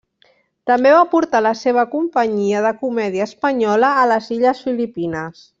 També va portar la seva companyia de comèdia espanyola a les illes Filipines.